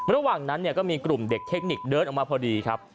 ระหว่างนั้นก็มีกลุ่มเด็กเทคนิคเดินออกมาพอดีครับ